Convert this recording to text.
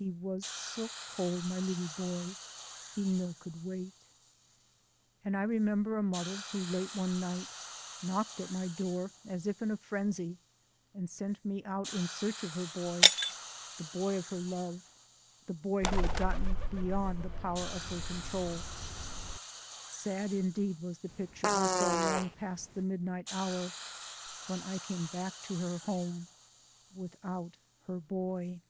He was so cold, my leetla boy, He no could wait." And I remember a mother who late one night knocked at my door, as if in a frenzy, and sent me out in search of her boy, the boy of her love, the boy who had gotten beyond the power of her control. Sad 238 THE SOUL OF AN IMMIGRANT indeed was the picture I saw long past the midnight hour when I came back to her home without her boy.